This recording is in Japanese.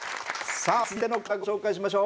さあ続いての方ご紹介しましょう。